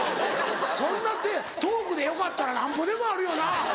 そんなトークでよかったらなんぼでもあるよな。